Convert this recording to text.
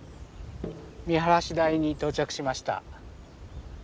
見晴台に到着しました。